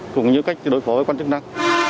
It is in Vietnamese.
cũng như cách đối phó với quan trọng năng